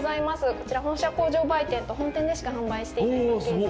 こちら本社工場売店と本店でしか販売していないパッケージです。